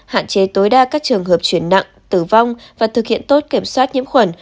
hạn chế tối đa các trường hợp chuyển nặng tử vong và thực hiện tốt kiểm soát nhiễm khuẩn